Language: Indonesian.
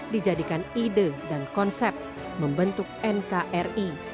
dijadikan ide dan konsep membentuk nkri